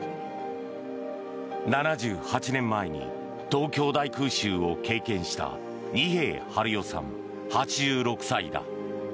７８年前に東京大空襲を経験した二瓶治代さん、８６歳だ。